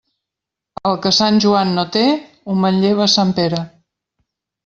El que Sant Joan no té, ho manlleva a Sant Pere.